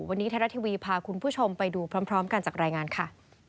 วันนี้ไทยรัฐทีวีพาคุณผู้ชมไปดูพร้อมกันจากรายงานค่ะ